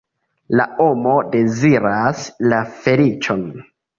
La homo deziras la feliĉon.